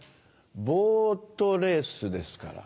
ボットレースですから。